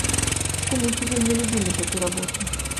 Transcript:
Школьнікі вельмі любілі гэту работу.